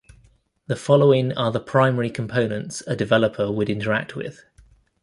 The following are the primary components a developer would interact with.